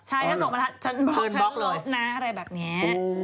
ใช่ก็๒บรรทัดฉันบล็อกนะอะไรแบบนี้